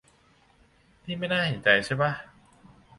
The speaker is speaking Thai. นี่ไม่น่าเห็นใจใช่ป่ะ